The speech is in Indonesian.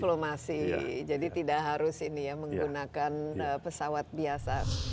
diplomasi jadi tidak harus ini ya menggunakan pesawat biasa